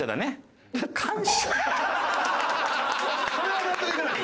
それは納得できない。